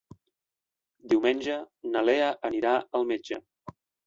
Diumenge na Lea anirà al metge.